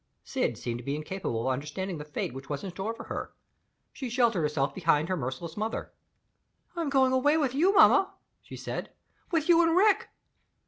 Syd seemed to be incapable of understanding the fate that was in store for her. She sheltered herself behind her merciless mother. "I'm going away with you, mamma," she said "with you and Rick."